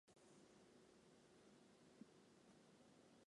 山地烟管蜗牛为烟管蜗牛科台湾纺锤烟管蜗牛属下的一个种。